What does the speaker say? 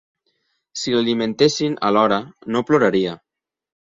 Si l'alimentessin a l'hora no ploraria.